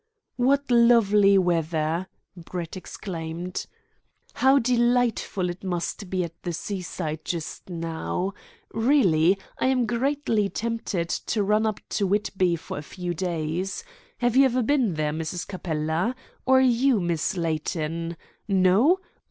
"What lovely weather!" Brett exclaimed. "How delightful it must be at the sea side just now! Really, I am greatly tempted to run up to Whitby for a few days. Have you ever been there, Mrs. Capella? Or you, Miss Layton? No!